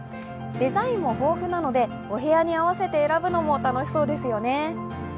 デザインも豊富なので、お部屋に合わせて選ぶのも楽しいですよね。